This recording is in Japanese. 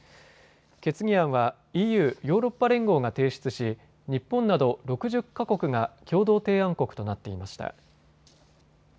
決議案はＥＵ・ヨーロッパ連合が提出し日本など６０か国が共同提案国となっていました。